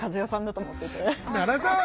奈良さん！